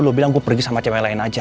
lo bilang gue pergi sama cewek lain aja